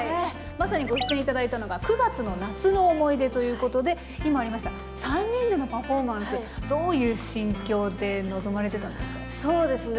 まさにご出演頂いたのが９月の「夏の思い出」ということで今ありました３人でのパフォーマンスどういう心境で臨まれてたんですか？